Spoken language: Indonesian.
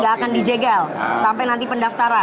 akan dijegel sampai nanti pendaftaran